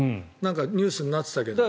ニュースになっていたけど。